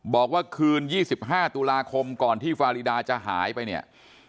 บอกว่าคืน๒๕ตุลาคมก่อนที่ฟารีดาจะหายไปเนี่ย